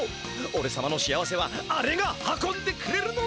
おれさまの幸せはあれが運んでくれるのだ！